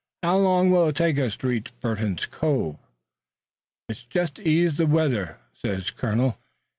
"How long will it take us to reach Burton's Cove?" "It's jest ez the weather sez, colonel.